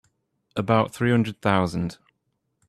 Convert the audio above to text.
About three hundred thousand.